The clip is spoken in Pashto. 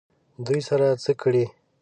دوی سره څه کړي؟